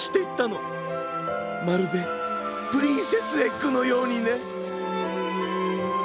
まるでプリンセスエッグのようにね。